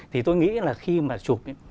thì tôi nghĩ là khi mà chụp